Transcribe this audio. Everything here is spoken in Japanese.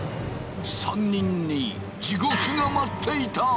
３人に地獄が待っていた。